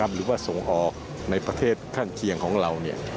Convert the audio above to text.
หรือว่าส่งออกในประเทศข้างเคียงของเรา